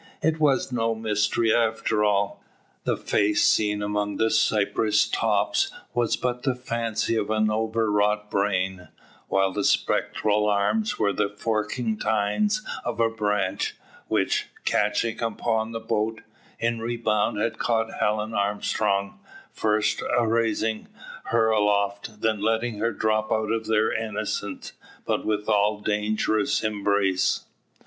It was no mystery after all. The face seen among the cypress tops was but the fancy of an overwrought brain; while the spectral arms were the forking tines of a branch, which, catching upon the boat, in rebound had caught Helen Armstrong, first raising her aloft, then letting her drop out of their innocent, but withal dangerous, embrace.